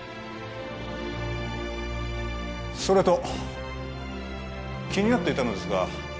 それと気になっていたのですが